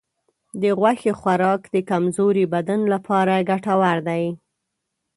د غوښې خوراک د کمزورې بدن لپاره ګټور دی.